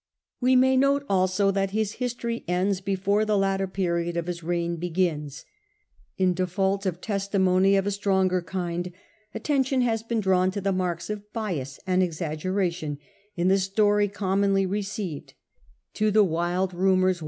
We may note also that his history ends before the latter period of this reign begins. In default of testimony of a The marlvs of Stronger kind, attention has been drawn to the bias and marks of bias and exaggeration in the story i^fe*cora " commonly received, to the wild rumours wan mon story.